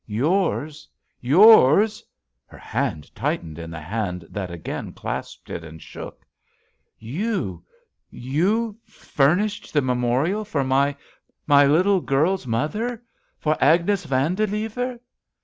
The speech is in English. "Yours! Yours I" Her hand tightened in the hand that again clasped it, and shook. "You — ^you — furnished the memorial for my — my little girl's mother! — for Agnes Van dilever!